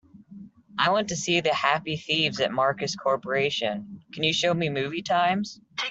I want to see The Happy Thieves at Marcus Corporation, can you show me movie times